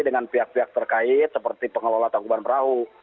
dengan pihak pihak terkait seperti pengelola tangkuban perahu